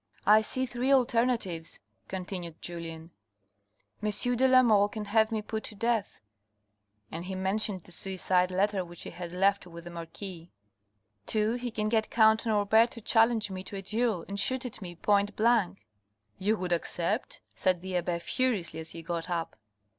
" I see three alternatives," continued Julien. " M. de la Mole can have me put to death," and he mentioned the suicide letter which he had left with the Marquis ;" (2) He can get Count Norbert to challenge me to a duel, and shoot at me point blank." " You would accept ?" said the abbe furiously as he got up.